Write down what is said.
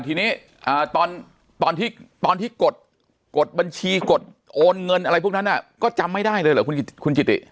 ทีนี้ตอนที่กดบัญชีกดโอนเงินอะไรพวกนั้นก็จำไม่ได้เลยเหรอคุณจิติ